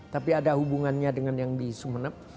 tapi ada hubungannya dengan yang di sumeneb